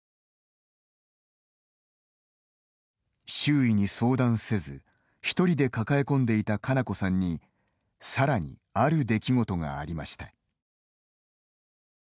周囲に相談せず、一人で抱え込んでいた佳菜子さんにさらに、ある出来事がありました。